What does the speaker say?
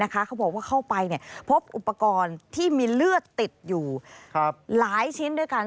เขาบอกว่าเข้าไปพบอุปกรณ์ที่มีเลือดติดอยู่หลายชิ้นด้วยกัน